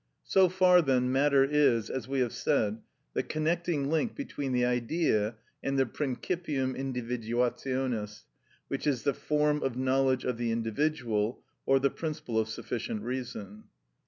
So far then matter is, as we have said, the connecting link between the Idea and the principium individuationis, which is the form of knowledge of the individual, or the principle of sufficient reason.